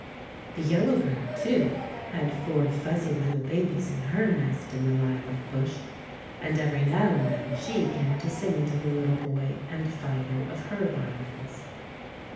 The yellow bird, too, had four fuzzy little babies in her nest in the lilac bush, and every now and then she came to sing to the little boy and Fido of her darlings.